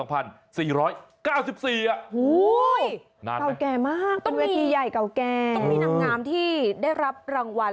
โหเป็นเวทีใหญ่เก่าแก่มากต้องมีหนังงามที่ได้รับรางวัล